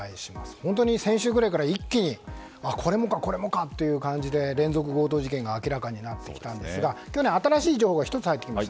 本当に先週ぐらいから一気にこれもかこれもかという感じで連続強盗事件が明らかになってきたんですが新しい情報が１つ入ってきました。